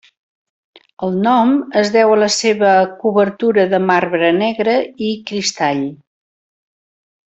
El nom es deu a la seva cobertura de marbre negre i cristall.